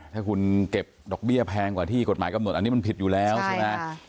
ถ้าคุณเก็บดอกเบี้ยแพงกว่าที่กฎหมายกำหนดอันนี้มันผิดอยู่แล้วใช่ไหม